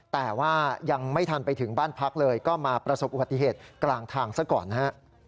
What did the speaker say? แต่ว่ายังไม่ทันไปถึงบ้านพักเลยก็มาประสบอุบัติเหตุกลางทางซะก่อนนะฮะ